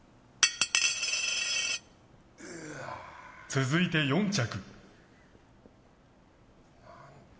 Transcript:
続いて４着。